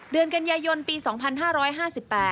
เดือนกันยายนปี๒๕๕๘